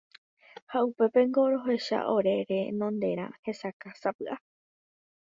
Ha upépengo rohecha ore rendonderã hesakãsapy'a.